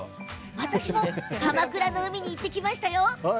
私も鎌倉の海に行ってきましたよ。